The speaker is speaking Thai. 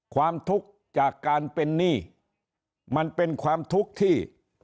ความทุกข์จากการเป็นหนี้มันเป็นความทุกข์ที่